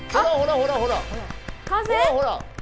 ほらほら。